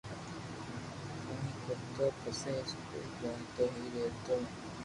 ڪوئي ڪرتو پسو اسڪول جاتو ھي رھتو